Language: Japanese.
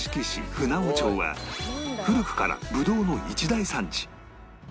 船穂町は古くからブドウの一大産地